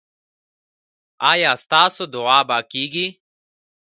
ایا ستاسو دعا به کیږي؟